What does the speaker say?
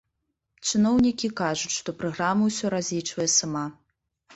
Чыноўнікі кажуць, што праграма ўсё разлічвае сама.